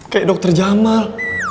kayak dokter jamal